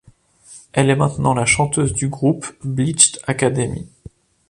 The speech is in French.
Elle est maintenant la chanteuse du groupe Bleached Academy.